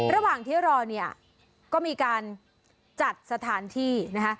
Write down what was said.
ระหว่างที่รอเนี่ยก็มีการจัดสถานที่นะคะ